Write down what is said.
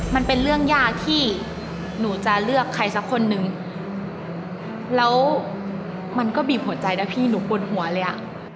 มันเป็นเรื่องยากที่หนูจะเลือกใครสักคนนึงแล้วมันก็บีบหัวใจนะพี่หนูปวดหัวเลยอ่ะ